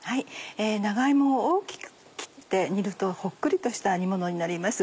長芋を大きく切って煮るとほっくりとした煮ものになります。